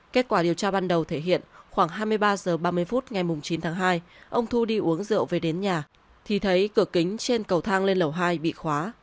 kết quả điều tra ban đầu thể hiện khoảng hai mươi ba h ba mươi phút ngày chín tháng hai ông thu đi uống rượu về đến nhà thì thấy cửa kính trên cầu thang lên lầu hai bị khóa